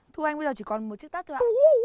thu anh bây giờ chỉ còn một chiếc tắt thôi ạ